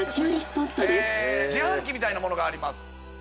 自販機みたいなものがあります。